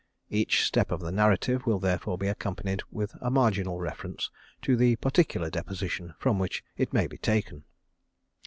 Each step of the narrative will therefore be accompanied with a marginal reference to the particular deposition from which it may be taken.